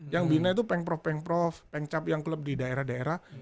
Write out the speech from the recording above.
yang bina itu peng prof peng cap yang klub di daerah daerah